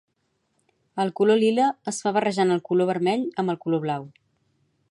El color lila es fa barrejant el color vermell amb el color blau